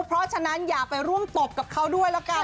เพราะฉะนั้นอย่าไปร่วมตบกับเขาด้วยแล้วกัน